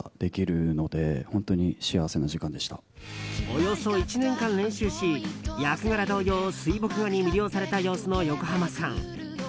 およそ１年間練習し、役柄同様水墨画に魅了された様子の横浜さん。